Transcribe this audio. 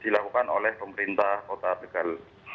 dilakukan oleh pemerintah kota tegal